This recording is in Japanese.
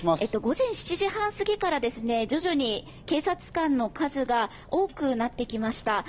午前７時半過ぎから徐々に警察官の数が多くなってきました。